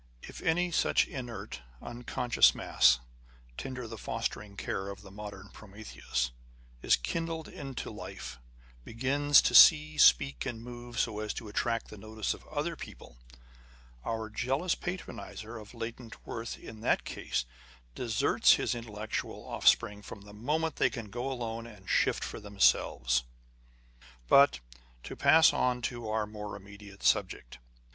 If any such inert, unconscious mass, tinder the fostering care of the modern Prometheus, is kindled into life, â€" begins to see, speak, and move, so as to attract the notice of other people, â€" our jealous patroniser of latent worth in that case throws aside, scorns, and hates his own handiwork ; and deserts his intellectual ofispring from the moment they can go alone and shift for themselves. â€" But to pass on to our more immediate subject.